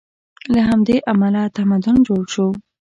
له همدې امله تمدن جوړ شو.